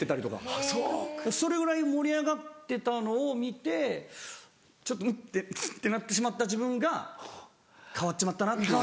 あぁそう。それぐらい盛り上がってたのを見てちょっとプッてなってしまった自分が変わっちまったなっていう。